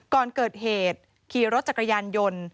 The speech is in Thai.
ก่อนเกิดเหตุขี่รถจักรยานยนต์